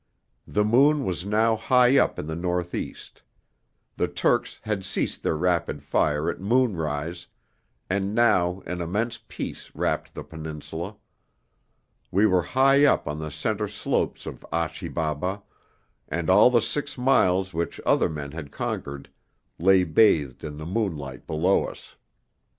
The moon was now high up in the north east; the Turks had ceased their rapid fire at moonrise, and now an immense peace wrapped the Peninsula. We were high up on the centre slopes of Achi Baba, and all the six miles which other men had conquered lay bathed in moonlight below us.